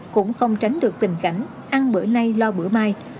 cũng không tránh được tình cảnh ăn bữa nay lo bữa mai